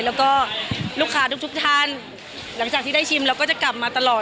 แล้วก็ลูกค้าทุกทุกท่านหลังจากที่ได้ชิมแล้วก็จะกลับมาตลอด